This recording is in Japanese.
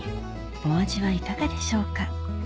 お味はいかがでしょうか？